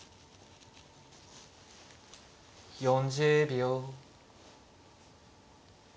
４０秒。